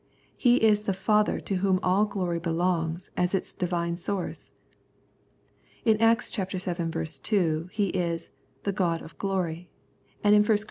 He is the Father to Whom all glory belongs as its Divine source. In Acts vii. 2 He is "the God of glory," and in i Cor.